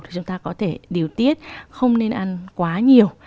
chúng ta có thể điều tiết không nên ăn quá nhiều